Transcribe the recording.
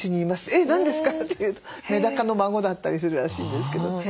「えっ何ですか？」って言うとメダカの孫だったりするらしいんですけど。